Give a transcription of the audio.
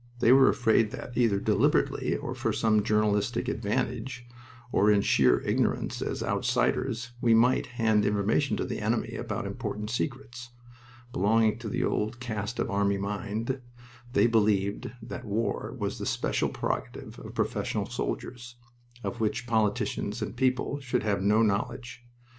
They were afraid that, either deliberately for some journalistic advantage, or in sheer ignorance as "outsiders," we might hand information to the enemy about important secrets. Belonging to the old caste of army mind, they believed that war was the special prerogative of professional soldiers, of which politicians and people should have no knowledge.